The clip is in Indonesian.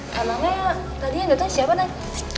namanya tadinya udah tau siapa nek